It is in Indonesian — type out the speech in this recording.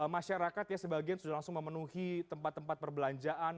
masyarakat ya sebagian sudah langsung memenuhi tempat tempat perbelanjaan